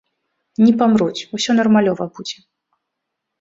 Не памруць, усё нармалёва будзе.